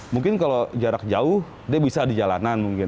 mungkin kalau jarak jauh dia bisa di jalanan mungkin